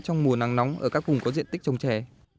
trong mùa nắng nóng ở các vùng có diện tích trồng trè